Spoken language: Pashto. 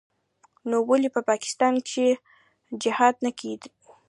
نو ولې په پاکستان کښې جهاد نه کيي.